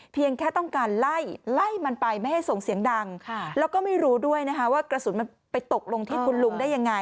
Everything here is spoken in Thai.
แค่ต้องการไล่ไล่มันไปไม่ให้ส่งเสียงดังแล้วก็ไม่รู้ด้วยนะคะว่ากระสุนมันไปตกลงที่คุณลุงได้ยังไง